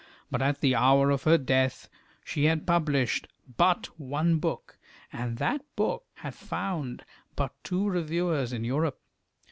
But at the hour of her death she had published but one book, and that book had found but two reviewers in Europe.